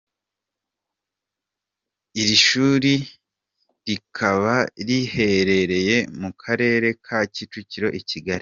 Iri shuri rikaba riherereye mu karere ka Kicukiro i Kigali.